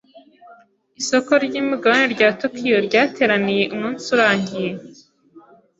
Isoko ry'imigabane rya Tokiyo ryateraniye umunsi urangiye.